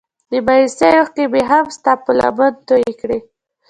د مايوسۍ اوښکې مې هم ستا په لمن توی کړې.